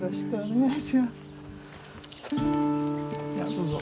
どうぞ。